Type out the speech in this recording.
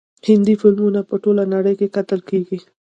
هندي فلمونه په ټوله نړۍ کې کتل کیږي.